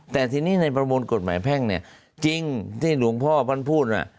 แต่ทีนี้ในประมวลกฎหมายแพ่งเนี่ยจริงที่หลวงพ่อท่านพูดว่า